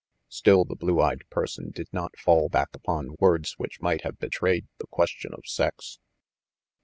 Still the blue eyed person did not fall back upon words which might have betrayed the question of sex.